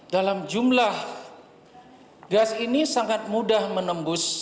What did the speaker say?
dalam jumlah gas ini sangat mudah menembus